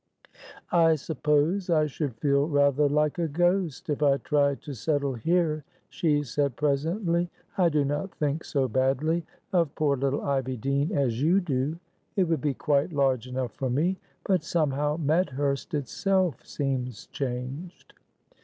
"I suppose I should feel rather like a ghost if I tried to settle here," she said, presently. "I do not think so badly of poor little Ivy Dene as you do. It would be quite large enough for me, but somehow Medhurst itself seems changed."